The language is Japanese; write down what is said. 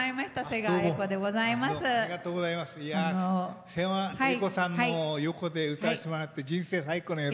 瀬川瑛子さんの横で歌わせてもらって人生最高の。